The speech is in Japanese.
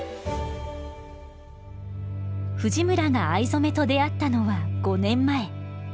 藤村が藍染めと出会ったのは５年前。